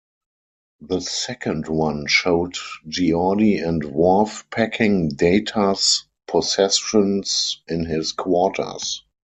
The second one showed Geordi and Worf packing Data's possessions in his quarters.